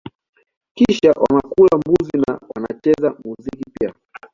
Kisha wanakula mbuzi na wanacheza muziki pia